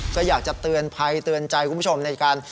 ก็อยากจะเตือนภัยเตือนใจคุณผู้ชมในการ